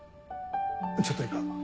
ちょっといいか？